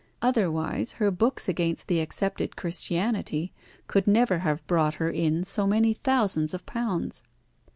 Otherwise, her books against the accepted Christianity could never have brought her in so many thousands of pounds.